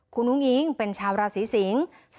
คุณอุ้งอิ๊งเป็นชาวราศีสิงศ์